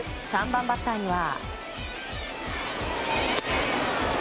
３番バッターには。